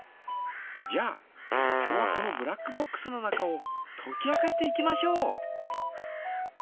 じゃあ今日はこのブラックボックスの中をとき明かしていきましょう。